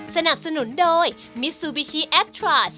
ของทเตียมของทุกคน